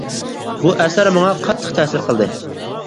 بۇ ئەسەر ماڭا قاتتىق تەسىر قىلدى.